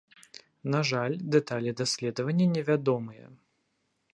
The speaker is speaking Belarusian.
На жаль, дэталі даследавання невядомыя.